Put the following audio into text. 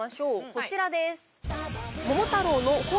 こちらです。